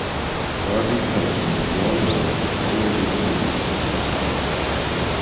Derby County were drawn away to Premier League side Crystal Palace.